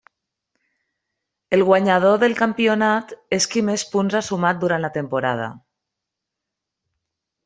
El guanyador del campionat és qui més punts ha sumat durant la temporada.